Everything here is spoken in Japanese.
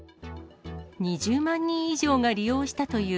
２０万人以上が利用したとい